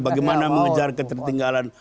bagaimana mengejar ketertinggalan